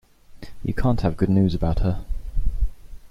You can't have good news about her.